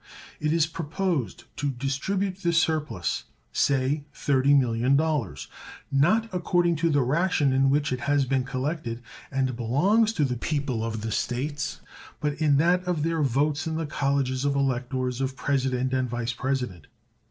It is proposed to distribute this surplus say $30,000,000 not according to the ration in which it has been collected and belongs to the people of the States, but in that of their votes in the colleges of electors of President and Vice President.